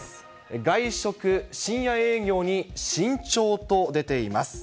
外食、深夜営業に慎重と出ています。